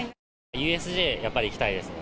ＵＳＪ、やっぱり行きたいですね。